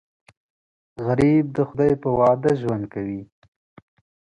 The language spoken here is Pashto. غریب د خدای په وعده ژوند کوي